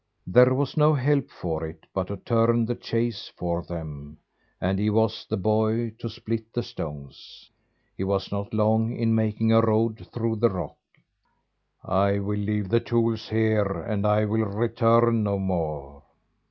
There was no help for it, but to turn the chase for them; and he was the boy to split the stones. He was not long in making a road through the rock. "I will leave the tools here, and I will return no more."